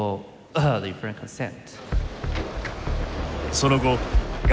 その後賀